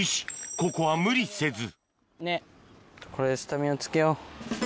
ここは無理せずねっこれでスタミナつけよう。